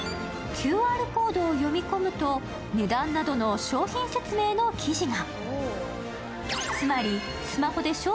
ＱＲコードを読み込むと、値段などの商品説明の記事が。